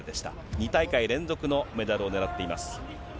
２大会連続のメダルをねらっています。